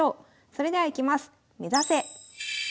それではいきます。